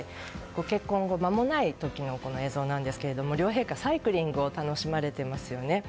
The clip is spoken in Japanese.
ご結婚後、まもない映像ですが両陛下、サイクリングを楽しまれていますよね。